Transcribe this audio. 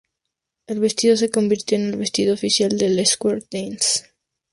El vestido se convirtió en el vestido oficial del Square dance.